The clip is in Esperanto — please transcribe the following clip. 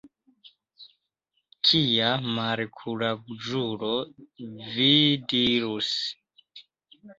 Kia malkuraĝulo, vi dirus.